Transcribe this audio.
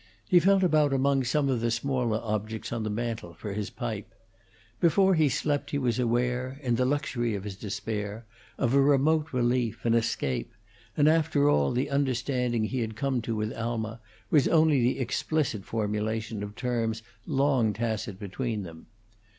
He felt about among some of the smaller objects on the mantel for his pipe. Before he slept he was aware, in the luxury of his despair, of a remote relief, an escape; and, after all, the understanding he had come to with Alma was only the explicit formulation of terms long tacit between them.